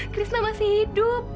krisna masih hidup